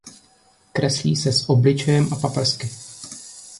Kreslí se s obličejem a paprsky.